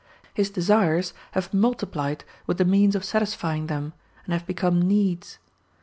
His desires have multiplied with the means of satisfying them, and have become needs.